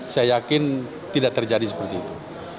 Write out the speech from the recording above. saya yakin tidak terjadi seperti itu